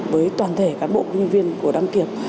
với toàn thể cán bộ công nhân viên của đăng kiểm